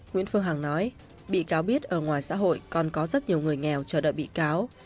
nguyễn phương hằng nói bị cáo biết ở ngoài xã hội còn có rất nhiều người nghèo chờ đợi bị cáo